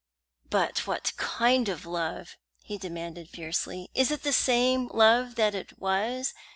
"But what kind of love?" he demanded fiercely. "Is it the same love that it was?